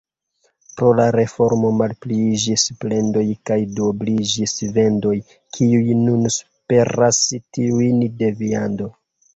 Pro la reformo malpliiĝis plendoj kaj duobliĝis vendoj, kiuj nun superas tiujn de viando.